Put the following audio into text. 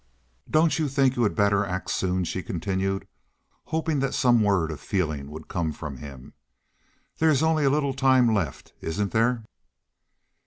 "Don't you think you had better act soon?" she continued, hoping that some word of feeling would come from him. "There is only a little time left, isn't there?"